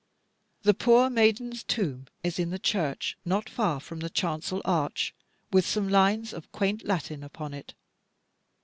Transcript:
The poor maiden's tomb is in the church, not far from the chancel arch, with some lines of quaint Latin upon it.